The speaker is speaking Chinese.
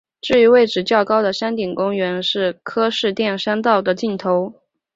至于位置较高的山顶公园是柯士甸山道的尽头。